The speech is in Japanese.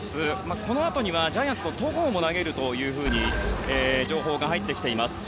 このあとはジャイアンツの戸郷も投げるという情報が入ってきています。